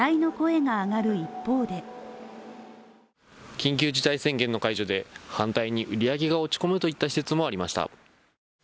緊急事態宣言の解除で反対に売り上げが落ち込むといった施設もありました。